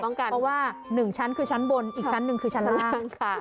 เพราะว่า๑ชั้นคือชั้นบนอีกชั้นหนึ่งคือชั้นล่างค่ะ